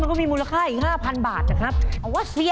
และข้อหนึ่งหูหนวกเป็นคำตอบที่